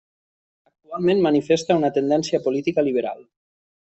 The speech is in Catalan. Actualment manifesta una tendència política liberal.